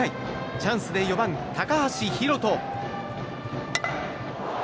チャンスで４番、高橋海翔。